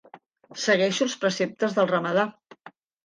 Segueixo els preceptes del Ramadà.